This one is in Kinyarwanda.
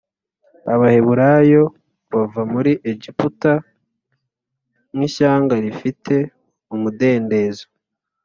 ’ Abaheburayo bava muri Egiputa nk’ishyanga rifite umudendezo.